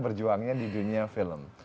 berjuangnya di dunia film